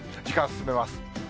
時間進めます。